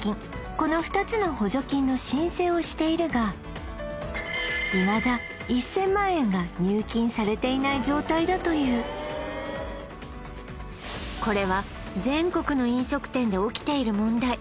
この２つの補助金の申請をしているがいまだ１０００万円が入金されていない状態だというこれは全国の飲食店で起きている問題